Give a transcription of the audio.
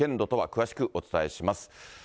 詳しくお伝えします。